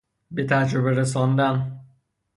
بتجربه رساندن